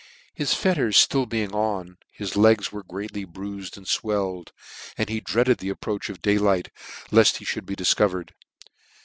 His fetiers being dill on, his legs were greatly bruifed and iwelled, and he dreaded the approach of day light, left he fhould be difcovered.